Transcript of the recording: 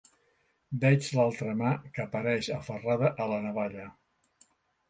Veig l'altra mà que apareix aferrada a la navalla.